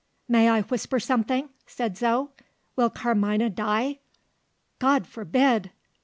"May I whisper something?" said Zo. "Will Carmina die?" "God forbid!"